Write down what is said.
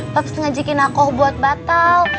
paps ngajakin aku buat batal